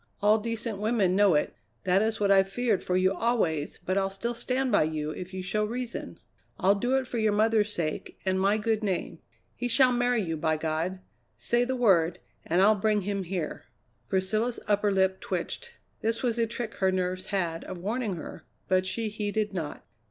All decent women know it. That is what I've feared for you always, but I'll still stand by you if you show reason. I'll do it for your mother's sake and my good name. He shall marry you, by God! Say the word and I'll bring him here." Priscilla's upper lip twitched. This was a trick her nerves had of warning her, but she heeded not.